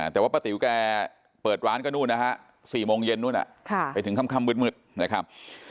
แต่ว่าป้าติ๋วแกเปิดร้านก็นู่นนะฮะ๔โมงเย็นนู่นไปถึงค่ำมืดนะครับ